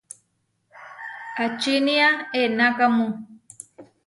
¿Ačinía enakámu?